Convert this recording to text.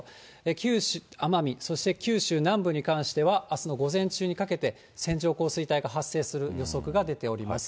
九州、奄美、そして九州南部に関しては、あすの午前中にかけて、線状降水帯が発生する予測が出ております。